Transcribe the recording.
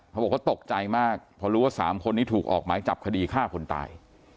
เขาบอกเขาตกใจมากเพราะรู้ว่า๓คนนี้ถูกออกหมายจับคดีฆ่าคนตาย